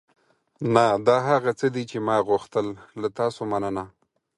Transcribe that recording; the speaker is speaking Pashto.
نه، دا هغه څه دي چې ما غوښتل. له تاسو مننه.